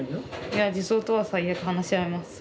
いや児相とは最悪話し合います